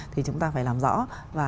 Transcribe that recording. thì chúng ta phải làm rõ và